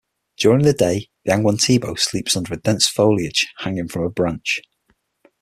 During the day the angwantibo sleeps under dense foliage, hanging from a branch.